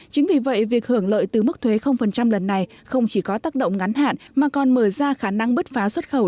chính vì vậy việc hưởng lợi từ mức thuế lần này không chỉ có tác động ngắn hạn mà còn mở ra khả năng bứt phá xuất khẩu